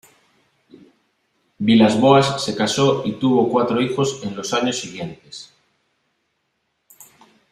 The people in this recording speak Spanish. Vilas-Boas se casó y tuvo cuatro hijos en los años siguientes.